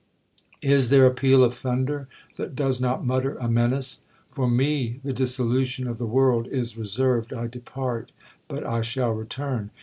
Is there a peal of thunder that does not mutter a menace, 'For me, the dissolution of the world is reserved, I depart, but I shall return?'